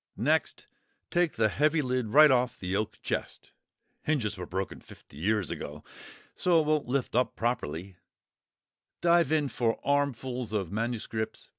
Next, take the heavy lid right off the oak chest (hinges were broken fifty years ago, so it won't lift up properly), dive in for armfuls of MSS.